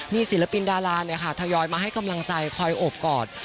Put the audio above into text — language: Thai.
นี่ศิลปินดาราเนี่ยค่ะทยอยมาให้กำลังใจคอยอบกอด